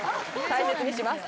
大切にします。